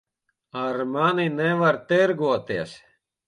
Ar mani nevar tirgoties.